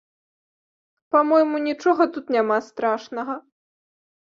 Па-мойму, нічога тут няма страшнага.